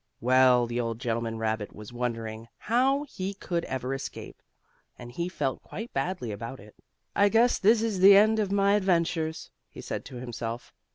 Well, the old gentleman rabbit was wondering how he could ever escape, and he felt quite badly about it. "I guess this is the end of my adventures," he said to himself.